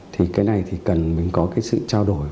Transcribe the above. thì cái này thì cần mình có cái sự trao đổi